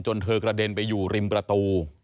เธอกระเด็นไปอยู่ริมประตู